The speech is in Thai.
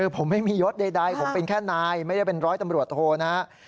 ผมไม่มียศใดผมเป็นแค่นายไม่ได้เป็นร้อยตำรวจโทนะครับ